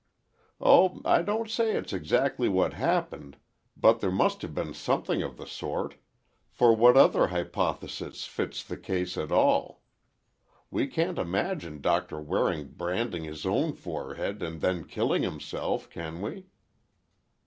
"Oh, I don't say it's exactly what happened, but there must have been something of the sort, for what other hypothesis fits the case at all? We can't imagine Doctor Waring branding his own forehead, and then killing himself, can we?"